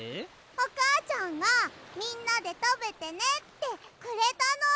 おかあちゃんがみんなでたべてねってくれたの！